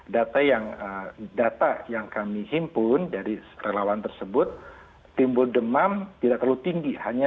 data yang kami himpun dari relawan tersebut timbul demam tidak terlalu tinggi hanya tiga puluh tujuh enam